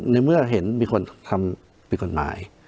ในเมื่อเห็นมีคนทำผิดกฎหมาย